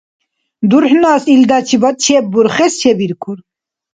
ДурхӀнас илдачибад чеббурхес чебиркур.